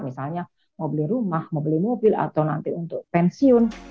misalnya mau beli rumah mau beli mobil atau nanti untuk pensiun